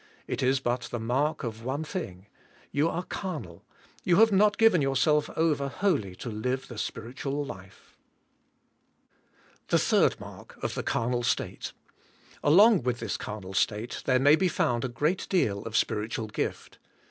It is but the mark of one thing— j^ou are carnal, you have not g iven yourself over wholly to live the spiritual life. 3. The third mark of the carnal state. Along v/ith this carnal state there may be found a great deal of spiritual gift.